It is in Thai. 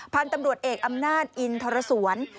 พันธุ์ตำรวจเอกอำนาจอินทรสวน